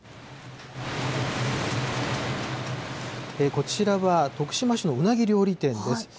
こちらは、徳島市のうなぎ料理店です。